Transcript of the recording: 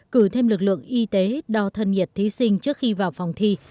cử thêm lực lượng y tế đo thân nhiệt thí sinh trước khi vào phòng thi